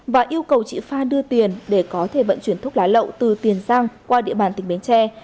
và yêu cầu chị pha đưa tiền để có thể vận chuyển thuốc lá lậu từ tiền giang qua địa bàn tỉnh bến tre